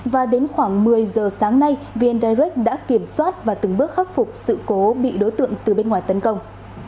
và đến khoảng một mươi giờ sáng nay vn direct đã kiểm soát và từng bước khắc phục sự cố bị đối tượng từ bên ngoài tấn công